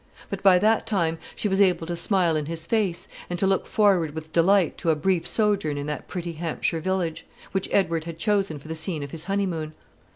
But by that time she was able to smile in his face, and to look forward with delight to a brief sojourn in that pretty Hampshire village, which Edward had chosen for the scene of his honeymoon.